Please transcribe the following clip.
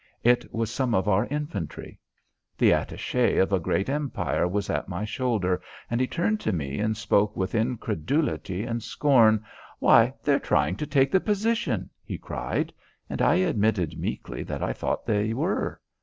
It was some of our infantry. The attaché of a great empire was at my shoulder, and he turned to me and spoke with incredulity and scorn. "Why, they're trying to take the position," he cried, and I admitted meekly that I thought they were.